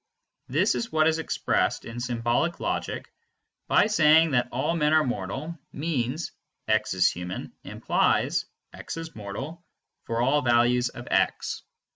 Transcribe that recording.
This is what is expressed in symbolic logic by saying that "all men are mortal" means " 'x is human' implies 'x is mortal' for all values of x."